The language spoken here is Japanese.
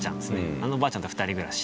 あのおばあちゃんと２人暮らし。